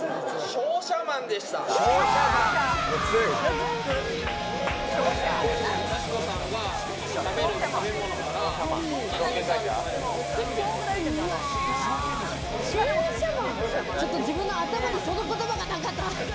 商社マン、ちょっと自分の頭に、その言葉がなかった。